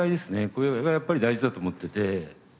これがやっぱり大事だと思っていて。